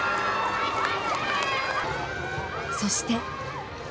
そして。